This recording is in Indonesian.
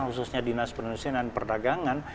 khususnya dinas penduduk seseorang dan perdagangan